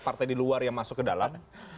partai di luar yang masuk ke dalam